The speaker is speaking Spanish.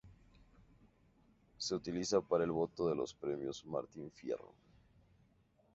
Se utiliza para el voto de los Premios Martín Fierro.